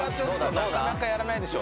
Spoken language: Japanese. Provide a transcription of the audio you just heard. なかなかやらないでしょ